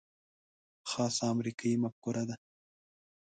خاصه امریکايي مفکوره ده.